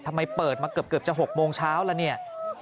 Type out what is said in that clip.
ทำไมเปิดมาเกือบจะ๖โมงเช้าแล้วเนี่ย